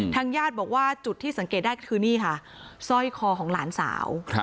ญาติบอกว่าจุดที่สังเกตได้ก็คือนี่ค่ะสร้อยคอของหลานสาว